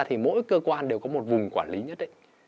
thì mỗi cơ quan đều có một vùng quản lý nhất định